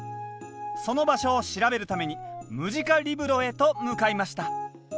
その場所を調べるためにムジカリブロへと向かいました。